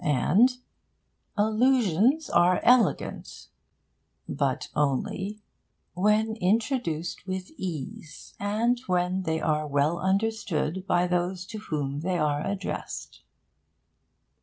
And 'allusions are elegant,' but only 'when introduced with ease, and when they are well understood by those to whom they are addressed.'